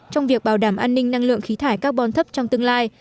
trong việc bảo đảm an ninh năng lượng khí thải carbon thấp trong tương lai